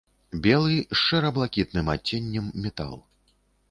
Белы з шэра-блакітным адценнем метал.